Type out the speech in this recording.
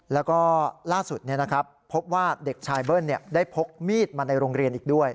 แล้วก็ล่าสุดพบว่าเด็กชายเบิ้ลได้พกมีดมาในโรงเรียนอีกด้วย